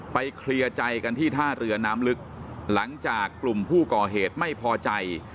เคลียร์ใจกันที่ท่าเรือน้ำลึกหลังจากกลุ่มผู้ก่อเหตุไม่พอใจ